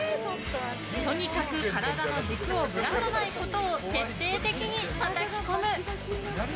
とにかく体の軸をぶらさないことを徹底的にたたき込む。